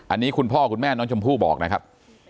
อันนี้คุณพ่อคุณแม่น้องชมพู่บอกนะครับ